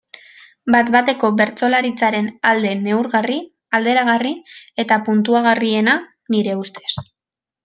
Bat-bateko bertsolaritzaren alde neurgarri, alderagarri eta puntuagarriena, nire ustez.